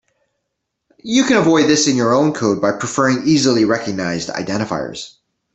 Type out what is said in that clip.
You can avoid this in your own code by preferring easily recognized identifiers.